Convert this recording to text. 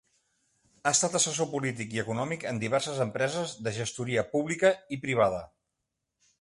Ha estat assessor polític i econòmic en diverses empreses de gestoria pública i privada.